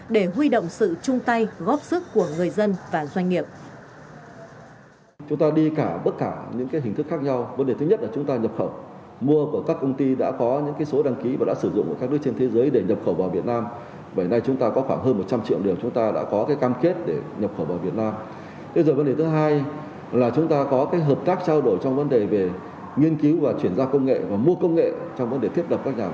để huy động sự chung tay góp sức của người dân và doanh nghiệp